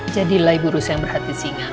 jadilah ibu rus yang berhati singa